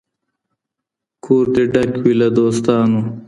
کور دي ډک وي له دوستانو